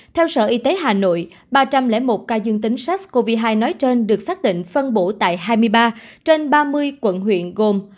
theo sở y tế hà nội ba trăm linh một ca dương tính sars cov hai nói trên được xác định phân bổ tại hai mươi ba trên ba mươi quận huyện gồm